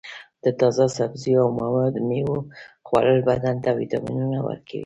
د تازه سبزیو او میوو خوړل بدن ته وټامینونه ورکوي.